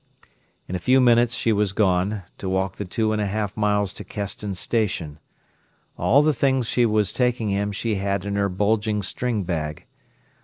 In a few minutes she was gone, to walk the two and a half miles to Keston Station. All the things she was taking him she had in her bulging string bag.